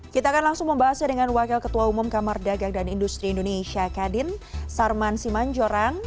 kita akan langsung membahasnya dengan wakil ketua umum kamar dagang dan industri indonesia kadin sarman simanjorang